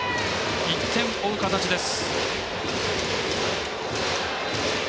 １点追う形です。